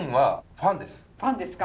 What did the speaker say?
ファンですか。